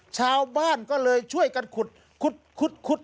ชาวบ้านก็เลยช่วยกันขุดขุดขุด